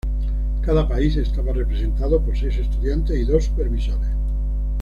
Cada país estaba representado por seis estudiantes y dos supervisores.